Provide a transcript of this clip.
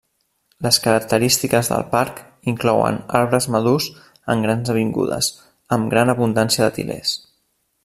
Les característiques del parc, inclouen arbres madurs en grans avingudes, amb gran abundància de til·lers.